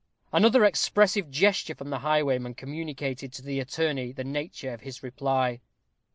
Another expressive gesture from the highwayman communicated to the attorney the nature of his reply.